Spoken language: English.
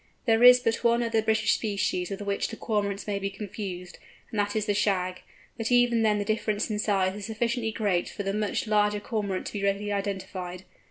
There is but one other British species with which the Cormorant may be confused, and that is the Shag; but even then the difference in size is sufficiently great for the much larger Cormorant to be readily identified.